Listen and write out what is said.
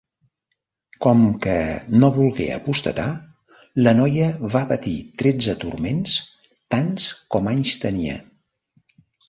Com que no volgué apostatar, la noia va patir tretze turments, tants com anys tenia.